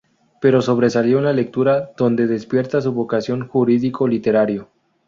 Pero sobresalió en la lectura, donde despierta su vocación jurídico literario.